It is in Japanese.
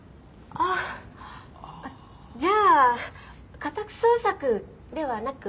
あっじゃあ家宅捜索ではなく？